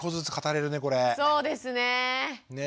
そうですね。